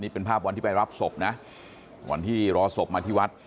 เป็นภาพวันที่ไปรับศพนะวันที่รอศพมาที่วัด